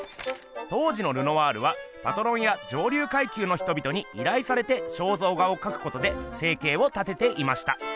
当時のルノワールはパトロンや上流階級のひとびとにいらいされて肖像画をかくことで生計を立てていました。